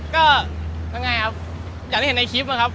ก็ทำไงครับอย่างที่เห็นในคลิปนะครับ